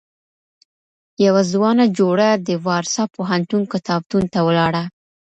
يوه ځوانه جوړه د وارسا پوهنتون کتابتون ته ولاړه.